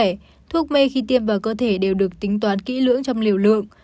nội soi gây mê khi tiêm vào cơ thể đều được tính toán kỹ lưỡng trong liều lượng